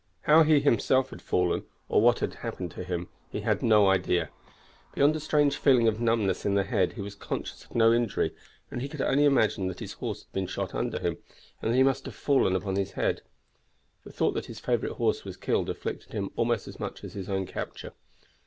How he himself had fallen, or what had happened to him, he had no idea. Beyond a strange feeling of numbness in the head he was conscious of no injury, and he could only imagine that his horse had been shot under him, and that he must have fallen upon his head. The thought that his favorite horse was killed afflicted him almost as much as his own capture.